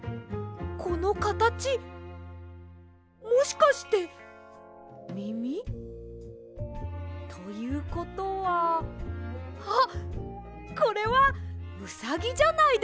このかたちもしかしてみみ？ということはあっこれはウサギじゃないですか？